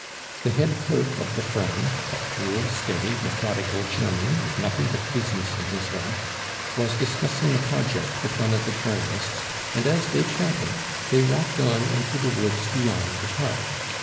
The head clerk of the firm, a cool, steady, methodical German with nothing but business in his head, was discussing a project with one of the journalists, and as they chatted they walked on into the woods beyond the park.